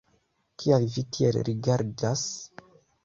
Kial vi tiel rigardas?